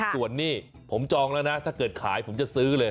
ส่วนนี้ผมจองแล้วนะถ้าเกิดขายผมจะซื้อเลย